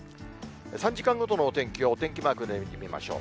３時間ごとのお天気をお天気マークで見てみましょう。